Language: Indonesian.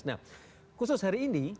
nah khusus hari ini